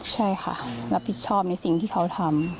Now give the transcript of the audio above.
ใช่ค่ะรับผิดชอบในสิ่งที่เขาทำ